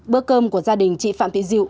bữa cơm của gia đình chị phạm thị diệu